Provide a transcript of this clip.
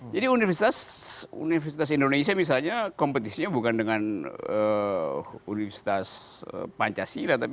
jadi universitas indonesia misalnya kompetisinya bukan dengan universitas pancasila